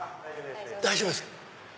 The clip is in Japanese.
大丈夫です。